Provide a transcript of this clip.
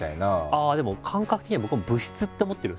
ああでも感覚的には僕も部室って思ってるんですよ。